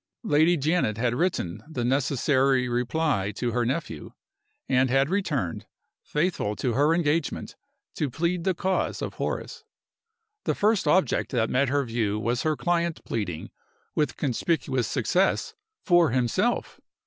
Lady Janet had written the necessary reply to her nephew, and had returned, faithful to her engagement, to plead the cause of Horace. The first object that met her view was her client pleading, with conspicuous success, for himself!